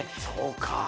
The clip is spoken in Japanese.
そうか。